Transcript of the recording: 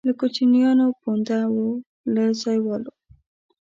له کوچیانو پونده وو له ځایوالو.